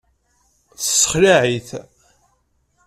Tessexlaε-it.